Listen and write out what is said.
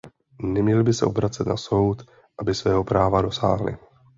Neměli by se obracet na soud, aby svého práva dosáhli.